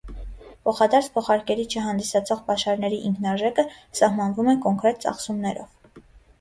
Փոխադարձ փոխարկելի չհանդիսացող պաշարների ինքնարժեքը սահմանվում է կոնկրետ ծախսումներով։